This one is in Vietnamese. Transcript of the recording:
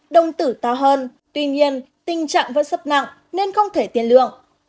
đông tử to hơn tuy nhiên tình trạng vẫn sấp nặng nên không thể tiên lượng